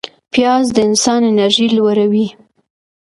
پیاز د انسان انرژي لوړوي